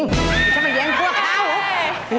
ไม่ใช่มาแย้งพวกเขา